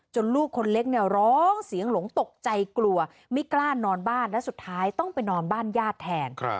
ลูกคนเล็กเนี่ยร้องเสียงหลงตกใจกลัวไม่กล้านอนบ้านและสุดท้ายต้องไปนอนบ้านญาติแทน